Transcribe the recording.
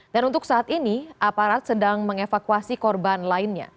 dan untuk saat ini aparat sedang mengevakuasi korban lainnya